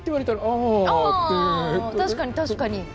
ああ確かに確かに。